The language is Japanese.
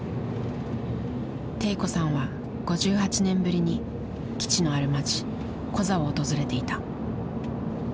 悌子さんは５８年ぶりに基地のある町コザを訪れていた。